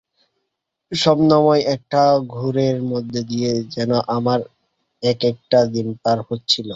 স্বপ্নময় একটা ঘোরের মধ্য দিয়ে যেন আমার একেকটা দিন পার হচ্ছিল।